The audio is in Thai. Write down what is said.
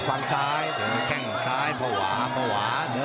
ฝั่งซ้ายแข้งซ้ายปะหวาปะหวา